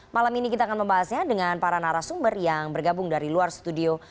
malam ini kita akan membahasnya dengan para narasumber yang bergabung dari luar studio